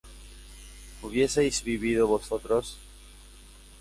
¿hubieseis vivido vosotros?